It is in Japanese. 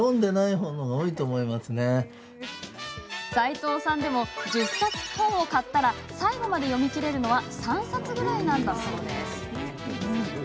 齋藤さんでも１０冊本を買ったら最後まで読み切れるのは３冊ぐらいなんだそうです。